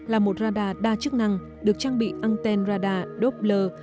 là một radar đa chức năng được trang bị anten radar doppler